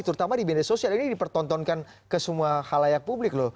terutama di benda sosial ini dipertontonkan ke semua halayak publik loh